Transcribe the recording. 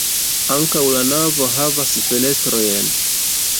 Ankaŭ la navo havas fenestrojn.